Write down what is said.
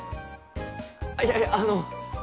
いやいやあの。